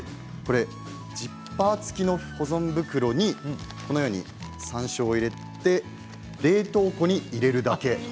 ジッパー付きの保存袋にこのように山椒を入れて冷凍庫に入れるだけ。